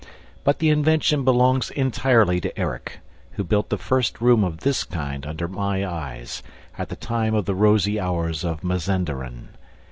But the invention belongs entirely to Erik, who built the first room of this kind under my eyes, at the time of the rosy hours of Mazenderan.